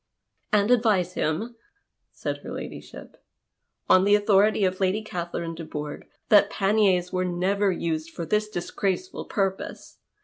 " And advise him," said her ladyship, " on the authority of Lady Catherine de Bourgh, that paniers were never used for this disgraceful purpose.